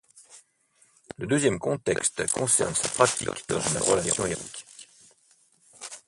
Le deuxième contexte concerne sa pratique dans une relation érotique.